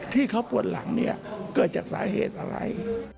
ที่เขาปวดหลังเนี่ยเกิดจากสาเหตุอะไร